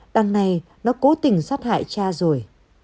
đằng này nó cố tình sát hại cha rồi